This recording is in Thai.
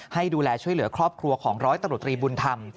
ให้ดูแลช่วยเหลือครอบครัวของร้อยตำรวจรีบุญธรรม